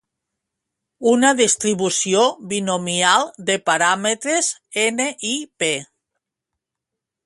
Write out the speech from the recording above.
Una distribució binomial de paràmetres n i p